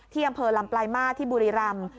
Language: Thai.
อำเภอลำปลายมาสที่บุรีรำ